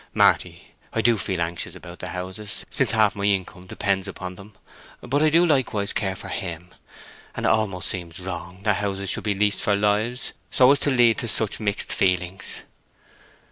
Marty, I do feel anxious about the houses, since half my income depends upon them; but I do likewise care for him; and it almost seems wrong that houses should be leased for lives, so as to lead to such mixed feelings."